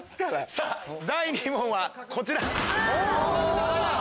さぁ第２問はこちら。